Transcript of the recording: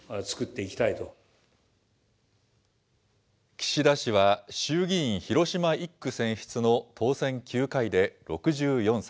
岸田氏は、衆議院広島１区選出の当選９回で６４歳。